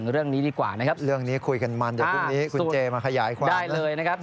เรื่องนี้ได้เลยนะครับ